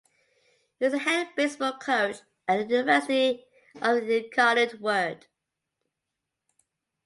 He is the head baseball coach at the University of the Incarnate Word.